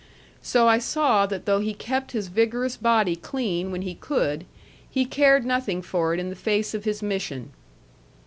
So I saw that though he kept his vigorous body clean when he could, he cared nothing for it in the face of his mission.